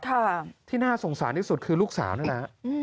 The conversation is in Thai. ทั้งหนึ่งครับที่น่าสงสารที่สุดคือลูกสาวนั่นนะ